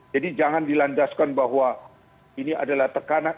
jadi jangan dilandaskan bahwa ini adalah tekanan